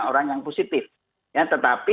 orang yang positif tetapi